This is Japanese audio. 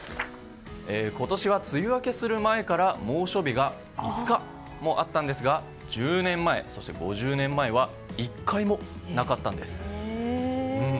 今年は梅雨明けする前から猛暑日が５日もあったんですが１０年前、そして５０年前は１回もなかったんです。